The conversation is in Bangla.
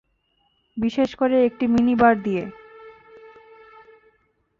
বিশেষ করে একটি মিনিবার দিয়ে।